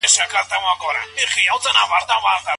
ايا په جاهلیت کي ښځو ته میراث ورکول کېده؟